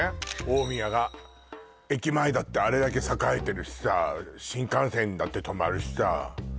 大宮が駅前だってあれだけ栄えてるしさ新幹線だって止まるしさ